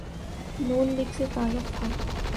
نون League سے تعلق تھا۔